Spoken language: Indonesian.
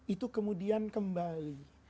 itu kemudian kembali